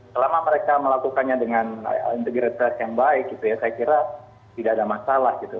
selama mereka melakukannya dengan integritas yang baik gitu ya saya kira tidak ada masalah gitu